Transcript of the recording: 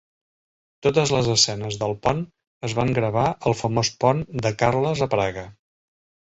Totes les escenes del pont es van gravar al famós pont de Carles a Praga.